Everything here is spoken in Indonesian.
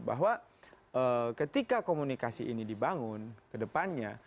bahwa ketika komunikasi ini dibangun kedepannya